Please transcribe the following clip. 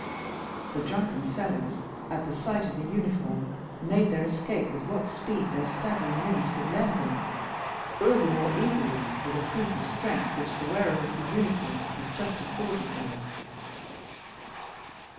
The drunken fellows, at sight of the uniform, made their escape with what speed their staggering limbs could lend them, all the more eagerly for the proof of strength which the wearer of the uniform had just afforded them.